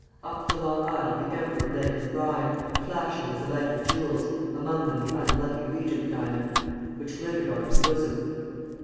Up the long aisle the emperor led his bride, flashing with the light of jewels, among them the unlucky regent diamond, which glittered on her bosom.